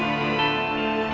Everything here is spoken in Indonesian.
aku mau ke rumah